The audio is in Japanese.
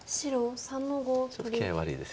ちょっと気合い悪いですよね。